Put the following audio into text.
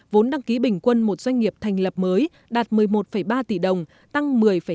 vốn đăng ký bình quân một doanh nghiệp thành lập mới đạt một mươi một ba tỷ đồng tăng một mươi hai